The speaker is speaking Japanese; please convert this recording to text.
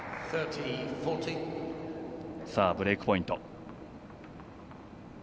ブレークポイント。